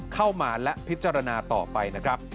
เข้ามาและพิจารณาต่อไป